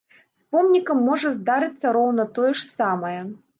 З помнікам можа здарыцца роўна тое ж самае.